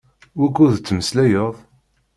Wukkud ttmeslayeɣ?